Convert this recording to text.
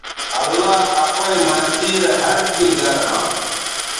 اللہ اپئیں مرضی رے ہر کیں گر ھاں